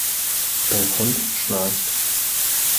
Dein Hund schnarcht!